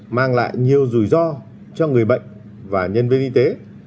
mang lại nhiều rủi ro cho người bệnh và nhân viên y tế